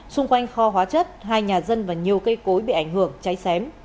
xung quanh kho hóa chất hai nhà dân và nhiều cây cối bị ảnh hưởng cháy xém